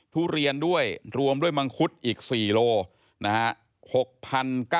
ทุเรียนด้วยรวมด้วยมังคุดอีก๔โลนะฮะ